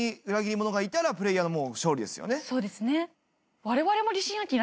そうですね。